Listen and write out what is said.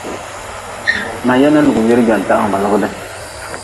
Ma yena lugʼbire gwantah ma ba logi de.